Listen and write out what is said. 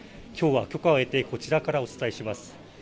きょうは許可を得てこちらからお伝えします。